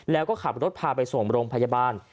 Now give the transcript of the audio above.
แล้วก็ขับรถพาไปส่งโรงพยาบาล